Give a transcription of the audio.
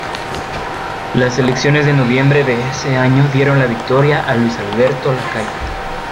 Las elecciones de noviembre de ese año dieron la victoria a Luis Alberto Lacalle.